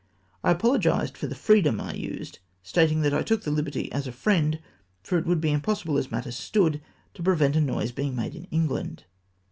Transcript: I apologised for the freedom I used, stating that I took the hberty as a friend, for it would be im possible, as matters stood, to prevent a noise being made in England.